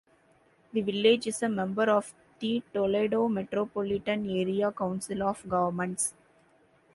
The village is a member of the Toledo Metropolitan Area Council of Governments.